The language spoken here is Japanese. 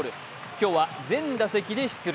今日は全打席で出塁。